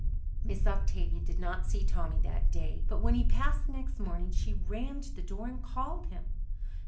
Miss Octavia did not see Tommy that day, but when he passed the next morning she ran to the door and called him.